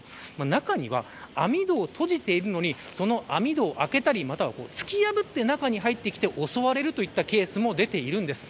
中には網戸を閉じているのにその網戸を開けたりまたは突き破って中に入ってきて襲われるといったケースも出ているんです。